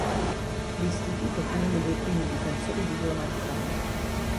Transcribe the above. L'istituto fu uno dei primi difensori di Donald Trump.